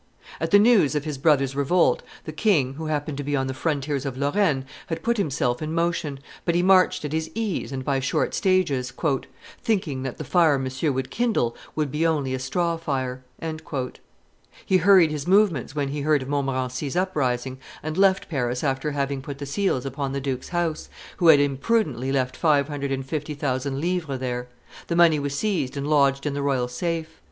At the news of his brother's revolt, the king, who happened to be on the frontiers of Lorraine, had put himself in motion, but he marched at his ease and by short stages, "thinking that the fire Monsieur would kindle would be only a straw fire." He hurried his movements when he heard of Montmorency's uprising, and left Paris after having put the seals upon the duke's house, who had imprudently left five hundred and fifty thousand livres there; the money was seized and lodged in the royal safe.